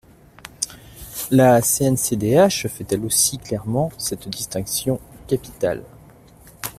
La CNCDH fait elle aussi clairement cette distinction capitale.